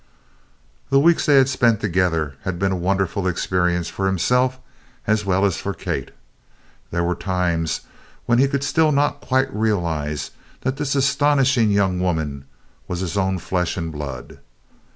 The weeks they had spent together had been a wonderful experience for himself as well as for Kate. There were times when he still could not quite realize that this astonishing young woman was his own flesh and blood.